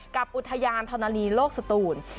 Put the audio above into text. กับอุทยานธรณีโลกสตูน